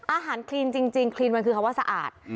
คลีนจริงคลีนมันคือคำว่าสะอาด